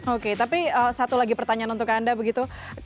oke tapi satu lagi pertanyaan untuk anda begitu